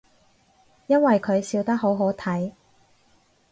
因為佢笑得好好睇